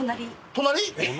隣！？